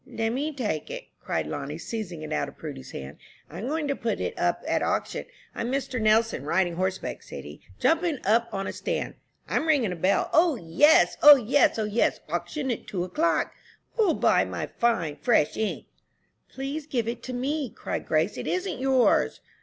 "Let me take it," cried Lonnie, seizing it out of Prudy's hand, "I'm going to put it up at auction. I'm Mr. Nelson, riding horseback," said he, jumping up on a stand. "I'm ringin' a bell. 'O yes! O yes! O yes! Auction at two o'clock! Who'll buy my fine, fresh ink?'" "Please give it to me," cried Grace; "it isn't yours."